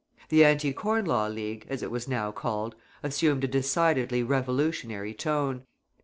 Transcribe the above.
The Anti Corn Law League, as it was now called, assumed a decidedly revolutionary tone.